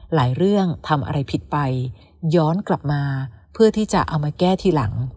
เรื่องทำอะไรผิดไปย้อนกลับมาเพื่อที่จะเอามาแก้ทีหลัง